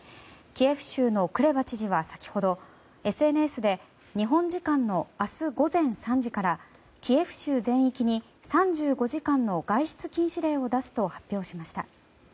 キエフ州のクレバ知事は先ほどＳＮＳで日本時間の明日午前３時からキエフ州全域に３５時間の外出禁止令を出すと発表しました。